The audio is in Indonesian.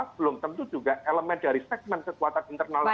tentu juga elemen dari segmen kekuatan internal yang lain